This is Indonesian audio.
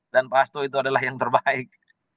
pak hasto itu adalah yang terbaik